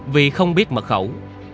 vì không biết mật khẩu